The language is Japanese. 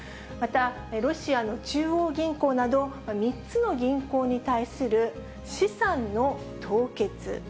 また、ロシアの中央銀行など、３つの銀行に対する資産の凍結。